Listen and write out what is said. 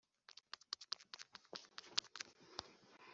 yali yabyirukanye agisohoka,